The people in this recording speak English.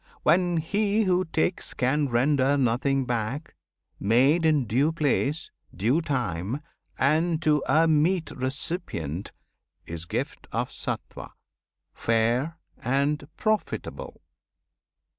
when he who takes Can render nothing back; made in due place, Due time, and to a meet recipient, Is gift of Sattwan, fair and profitable.